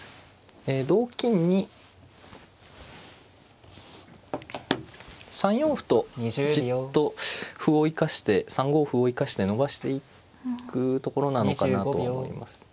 同金に３四歩とじっと歩を生かして３五歩を生かして伸ばしていくところなのかなと思います。